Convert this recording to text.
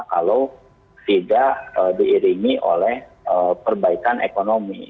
kalau tidak diiringi oleh perbaikan ekonomi